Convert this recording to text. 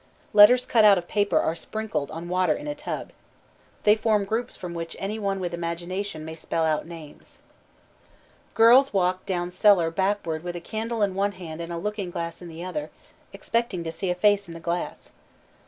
Letters cut out of paper are sprinkled on water in a tub. They form groups from which any one with imagination may spell out names. Girls walk down cellar backward with a candle in one hand and a looking glass in the other, expecting to see a face in the glass.